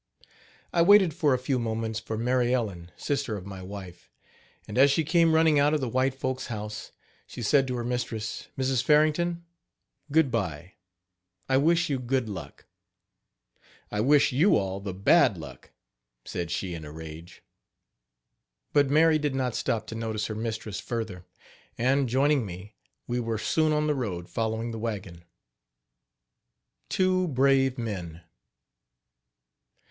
I waited for a few moments for Mary Ellen, sister of my wife; and as she came running out of the white folks' house, she said to her mistress, Mrs. Farrington: "Good bye; I wish you good luck." "I wish you all the bad luck," said she in a rage. But Mary did not stop to notice her mistress further; and, joining me, we were soon on the road following the wagon. TWO BRAVE MEN.